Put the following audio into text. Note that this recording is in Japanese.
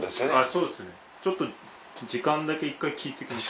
そうですねちょっと時間だけ一回聞いてきます。